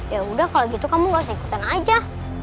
ya udah kalau gitu kamu gak usah ikutan aja